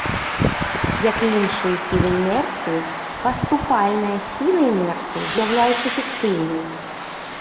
Як і іншыя сілы інерцыі, паступальная сіла інерцыі з'яўляецца фіктыўнай.